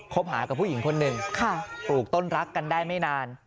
หากับผู้หญิงคนหนึ่งปลูกต้นรักกันได้ไม่นาน